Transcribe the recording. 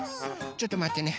ちょっとまってね。